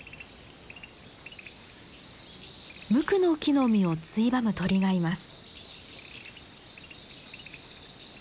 ムクノキの実をついばむ鳥がいます。